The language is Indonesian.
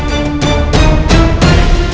tetapi tolong aku